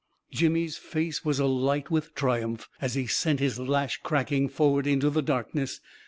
Jimmy's face was alight with triumph, as he sent his lash cracking forward into the darkness.